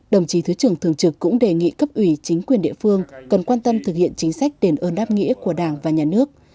đồng chí thứ trưởng thường trực cũng đề nghị cấp ủy chính quyền địa phương cần quan tâm thực hiện chính sách đền ơn đáp nghĩa của đảng và nhà nước